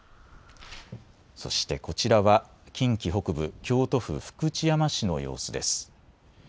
そしてこちらは近畿北部、京都府福知山市の様子です。